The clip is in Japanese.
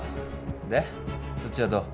でそっちはどう？